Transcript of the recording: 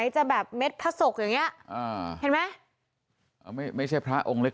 จะแบบเม็ดพระศกอย่างเงี้อ่าเห็นไหมไม่ใช่พระองค์เล็ก